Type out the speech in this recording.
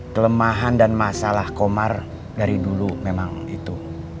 kelemahan dan masalah komar dari dulu memang itu